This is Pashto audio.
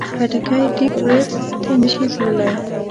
خټکی ډیپ فریزر ته نه شي تللی.